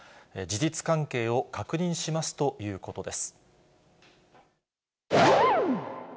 事実関係を確認しますということです。